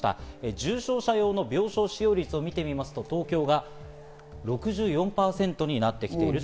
重症者用の病床使用率を見てみますと、東京が６４％になってきています。